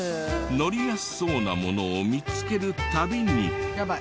のりやすそうなものを見つける度に。